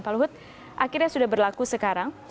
pak luhut akhirnya sudah berlaku sekarang